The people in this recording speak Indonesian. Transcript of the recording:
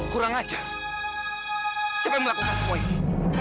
kurang ajar siapa yang melakukan semua ini